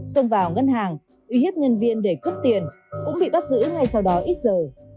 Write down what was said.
xông vào ngân hàng uy hiếp nhân viên để cướp tiền cũng bị bắt giữ ngay sau đó ít giờ